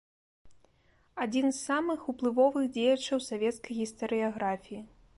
Адзін з самых уплывовых дзеячаў савецкай гістарыяграфіі.